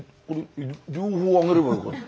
両方あげればよかった。